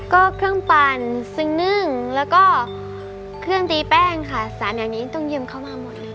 ก็เครื่องปั่นซึ้งนึ่งแล้วก็เครื่องตีแป้งค่ะสารอย่างนี้ต้องยืมเข้ามาหมดเลย